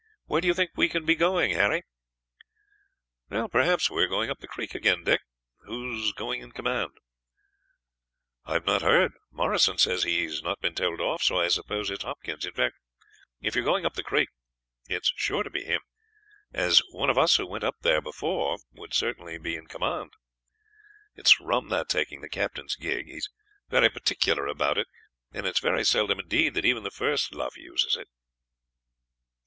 "Where do you think we can be going, Harry?" "Perhaps you are going up the creek again, Dick. Who's going in command?" "I have not heard. Morrison says he has not been told off, so I suppose it is Hopkins; in fact, if you are going up the creek, it is sure to be him, as one of us who went up there before would certainly be in command. It is rum they're taking the captain's gig. He is very particular about it, and it is very seldom indeed that even the first luff uses it."